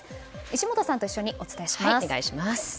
石本さんと一緒にお伝えします。